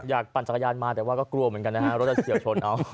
อยากปั่นสักยานมาแต่ก็กลัวเหมือนกันนะคะรถจะเกี่ยวชนเอา